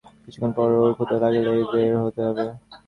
কিছুসময় পর ওর ক্ষুধা লাগলেই ও বের হবে।